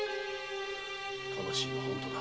悲しいが本当だ。